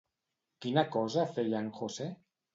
Quina cosa feia en José?